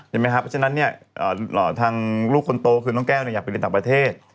ใช่ไหมครับเพราะฉะนั้นเนี่ยทางลูกคนโตคือน้องแก้วอยากไปเรียนต่างประเทศ